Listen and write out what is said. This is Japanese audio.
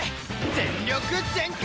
全力全開！